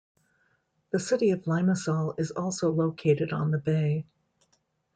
The city of Limassol is also located on the bay.